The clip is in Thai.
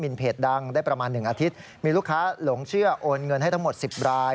ลงเชื่อโอนเงินให้ทั้งหมด๑๐ราย